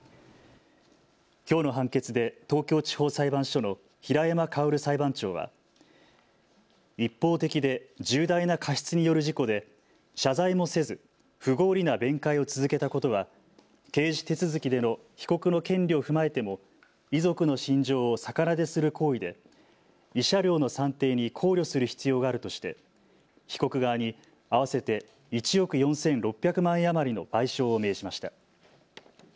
きょうの判決で東京地方裁判所の平山馨裁判長は一方的で重大な過失による事故で謝罪もせず不合理な弁解を続けたことは刑事手続きでの被告の権利を踏まえても遺族の心情を逆なでする行為で慰謝料の算定に考慮する必要があるとして被告側に合わせて１億４６００万円余りの賠償を命じました。